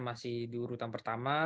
masih di urutan pertama